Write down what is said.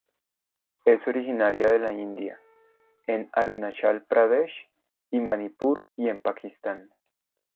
Es originaria de la India en Arunachal Pradesh y Manipur y en Pakistán.